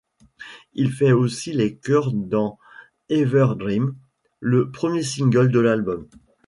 Il fait aussi les chœurs dans Ever Dream, le premier single de l'album.